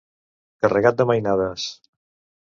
Carregat de mainades.